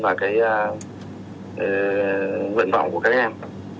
và cái vận vọng của các em